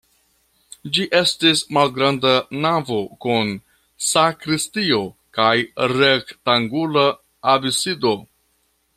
Ĝi estis malgranda navo kun sakristio kaj rektangula absido.